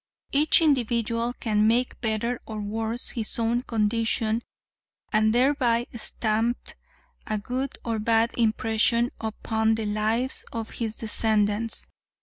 Each individual can make better or worse his own condition and thereby stamp a good or bad impression upon the lives of his descendants.